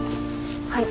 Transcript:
はい。